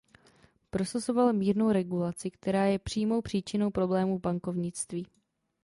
Prosazoval mírnou regulaci, která je přímou příčinou problémů v bankovnictví.